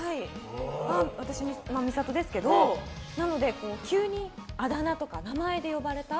私、美里ですけど急にあだ名とか名前で呼ばれた。